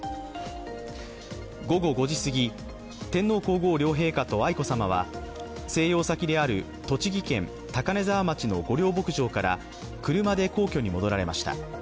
午後５時すぎ、天皇皇后両陛下と愛子さまは静養先である栃木県高根沢町の御料牧場から車で皇居に戻られました。